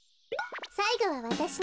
さいごはわたしね。